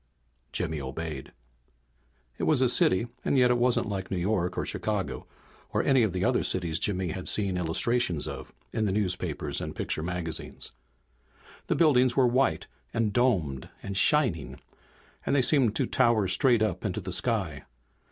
Jimmy obeyed. It was a city, and yet it wasn't like New York or Chicago or any of the other cities Jimmy had seen illustrations of in the newspapers and picture magazines. The buildings were white and domed and shining, and they seemed to tower straight up into the sky.